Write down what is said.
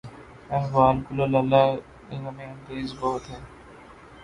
احوال گل و لالہ غم انگیز بہت ہے